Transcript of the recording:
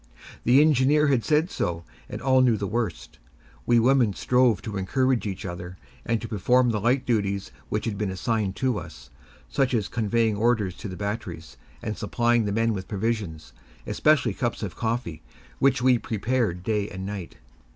The engineer had said so, and all knew the worst. We women strove to encourage each other, and to perform the light duties which had been assigned to us, such as conveying orders to the batteries, and supplying the men with provisions, especially cups of coffee, which we prepared day and night.